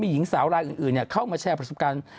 หญิงสาวรายอื่นเข้ามาแชร์ประสบการณ์